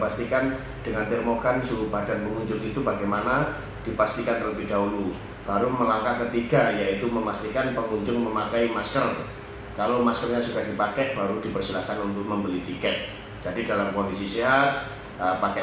setiap hari petugas yang menuhkan hasil pertempuran tetapi cap asal diri sebagai